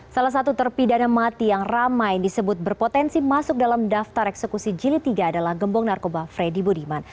salah satu terpidana mati yang ramai disebut berpotensi masuk dalam daftar eksekusi jili tiga adalah gembong narkoba freddy budiman